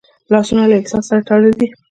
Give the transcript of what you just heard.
لاسونه له احساس سره تړلي دي